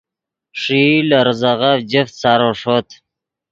ݰیئی لے ریزغف جفت سارو ݰوت